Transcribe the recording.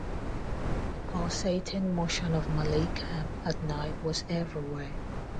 The pulsating motion of Malay Camp at night was everywhere.